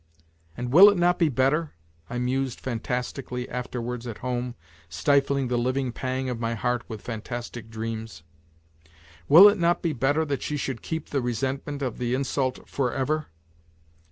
" And will it not be better ?" I mused fantastically, afterwards at home, stifling the living pang of my heart with fantastic dreams. " Will it not be better that she should keep the resentment of the insult for ever?